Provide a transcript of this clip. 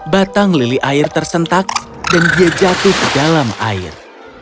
batang lili air tersentak dan dia jatuh ke dalam air